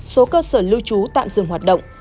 số cơ sở lưu trú tạm dừng hoạt động